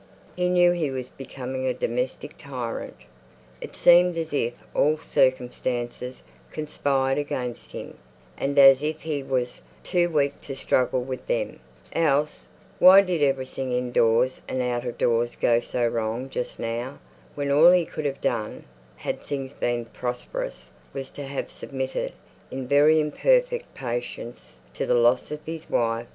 He knew he was becoming a domestic tyrant; it seemed as if all circumstances conspired against him, and as if he was too weak to struggle with them; else, why did everything in doors and out of doors go so wrong just now, when all he could have done, had things been prosperous, was to have submitted, in very imperfect patience, to the loss of his wife?